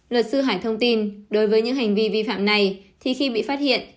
luật sư hải thông tin đối với những hành vi vi phạm này thì khi bị phát hiện